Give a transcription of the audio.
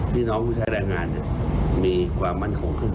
พี่น้องผู้ใช้แรงงานมีความมั่นคงขึ้น